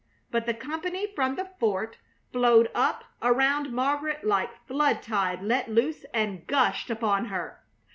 But the company from the fort flowed up around Margaret like flood tide let loose and gushed upon her.